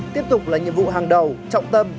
tiếp tục là nhiệm vụ hàng đầu trọng tâm